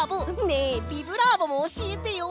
ねえ「ビブラーボ！」もおしえてよ！